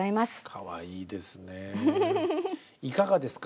かわいいですね。